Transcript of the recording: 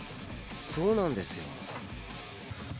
そうなんですよ。